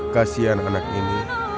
kasian anak ini